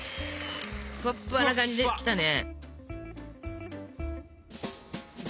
ふわふわな感じできたね。